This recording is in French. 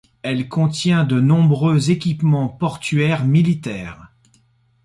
Elle contient de nombreux équipements portuaires militaires.